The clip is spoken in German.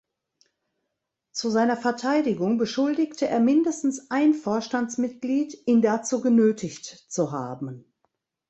Zu seiner Verteidigung beschuldigte er mindestens ein Vorstandsmitglied, ihn dazu genötigt zu haben.